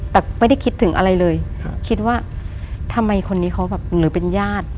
แต่ไม่ได้คิดถึงอะไรเลยคิดว่าทำไมคนนี้เขาแบบหรือเป็นญาติ